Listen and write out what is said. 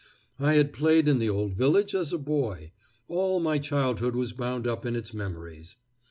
I had played in the old village as a boy; all my childhood was bound up in its memories.